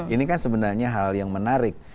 ini kan sebenarnya hal yang menarik